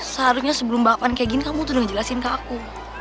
seharusnya sebelum balapan kayak gini kamu tuh ngejelasin ke aku